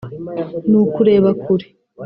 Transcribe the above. ni ukureba kure